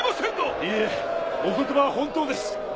いいえお言葉は本当です